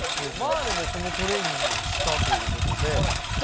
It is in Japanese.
まあれもこのトレーニングをしたということでどう？